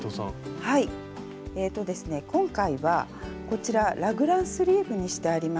今回はこちらラグランスリーブにしてあります。